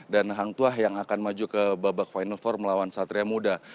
dan hangtua yang akan maju ke babak final empat melawan satria muda